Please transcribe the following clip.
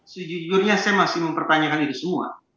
sejujurnya saya masih mempertanyakan ini semua